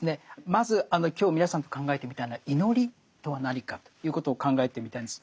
まず今日皆さんと考えてみたいのは祈りとは何かということを考えてみたいんです。